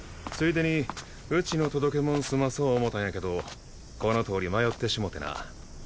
ついでにうちの届けもん済まそ思ったんやけどこのとおり迷ってしもてな。